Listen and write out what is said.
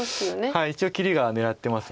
はい一応切り狙ってます。